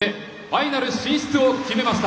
そして、ファイナル進出を決めました。